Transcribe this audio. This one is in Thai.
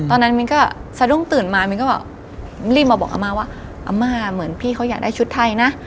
มิ้นก็สะดุ้งตื่นมามิ้นก็แบบรีบมาบอกอาม่าว่าอาม่าเหมือนพี่เขาอยากได้ชุดไทยนะ